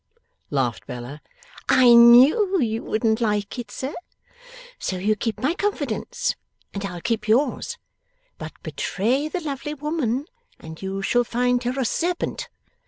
laughed Bella. 'I knew you wouldn't like it, sir! So you keep my confidence, and I'll keep yours. But betray the lovely woman, and you shall find her a serpent.